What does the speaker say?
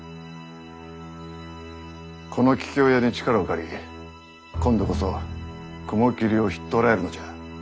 この桔梗屋に力を借り今度こそ雲霧をひっ捕らえるのじゃ。